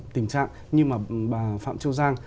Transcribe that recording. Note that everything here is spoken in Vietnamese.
tình trạng như mà bà phạm châu giang